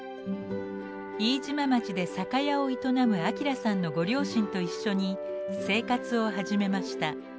飯島町で酒屋を営む明さんのご両親と一緒に生活を始めました。